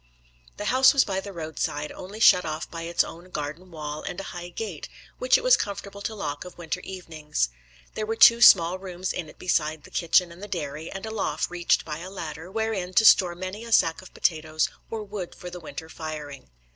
The house was by the roadside, only shut off by its own garden wall and a high gate, which it was comfortable to lock of winter evenings. There were two small rooms in it beside the kitchen and the dairy, and a loft reached by a ladder, wherein to store many a sack of potatoes, or wood for the winter firing.